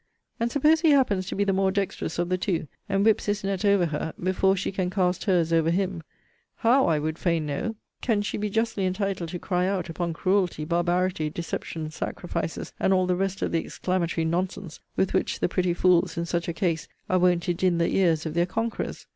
And suppose he happens to be the more dexterous of the two, and whips his net over her, before she can cast her's over him; how, I would fain know, can she cast her's over him; how, I would fain know, can she be justly entitled to cry out upon cruelty, barbarity, deception, sacrifices, and all the rest of the exclamatory nonsense, with which the pretty fools, in such a case, are wont to din the ears of their conquerors?